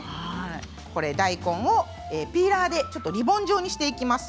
大根はピーラーでリボン状にしていきます。